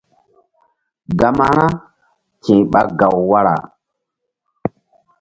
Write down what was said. Gama ra ti̧h ɓa gaw wara.